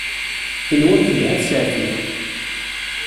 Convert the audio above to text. Tenwam telha tsertit.